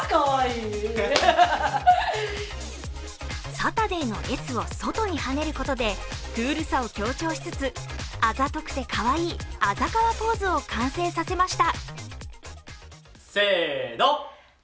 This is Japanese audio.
サタデーのＳを外にはねることで、クールさを強調しつつ、あざとくてかわいいあざかわポーズを完成させました。